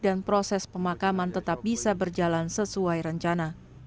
dan proses pemakaman tetap bisa berjalan sesuai rencana